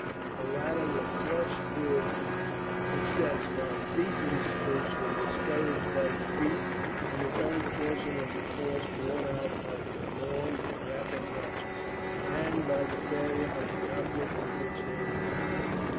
The latter were flushed with success; while Ziethen's troops were discouraged by defeat, and his own portion of the force worn out by their long and rapid marches, and by the failure of the object for which they had come.